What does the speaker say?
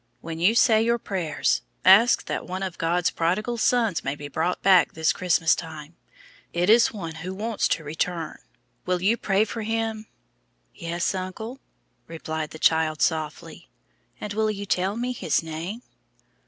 When you say your prayers, ask that one of God's prodigal sons may be brought back this Christmas time. It is one who wants to return. Will you pray for him?" "Yes, uncle," replied the child softly. "And will you tell me his name?"